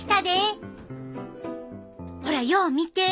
ほらよう見て！